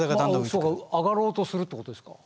そうか上がろうとするってことですか。